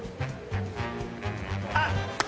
あっ！